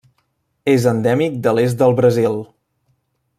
És endèmic de l'est del Brasil.